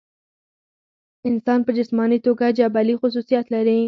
انسان پۀ جسماني توګه جبلي خصوصيات لري